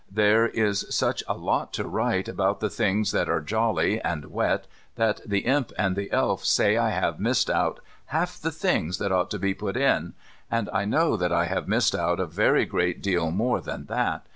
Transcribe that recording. There is such a lot to write about the things that are jolly and wet that the Imp and the Elf say I have missed out half the things that ought to be put in, and I know that I have missed out a very great deal more than that.